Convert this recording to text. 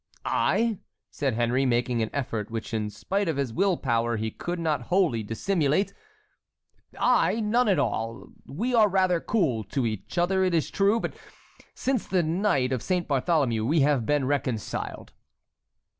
"I!" said Henry, making an effort, which in spite of his will power he could not wholly dissimulate. "I! none at all! we are rather cool to each other, it is true; but since the night of Saint Bartholomew we have been reconciled."